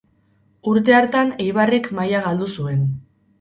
Urte hartan Eibarrek maila galdu zuen.